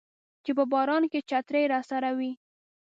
چې په باران کې چترۍ راسره وي